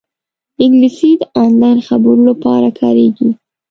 انګلیسي د آنلاین خبرو لپاره کارېږي